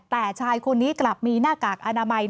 แต่ชายคนนี้กลับมีหน้ากากอนามัย